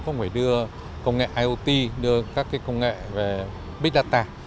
cũng phải đưa công nghệ iot đưa các công nghệ về big data